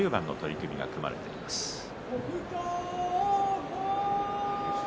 後半戦も１０番の取組が組まれています。